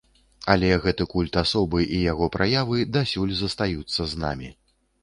Але гэты культ асобы і яго праявы дасюль застаюцца з намі.